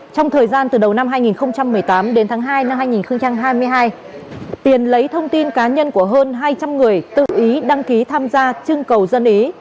trong thời gian từ đầu năm hai nghìn một mươi tám đến tháng hai năm hai nghìn hai mươi hai tiền lấy thông tin cá nhân của hơn hai trăm linh người tự ý đăng ký tham gia chương cầu dân ý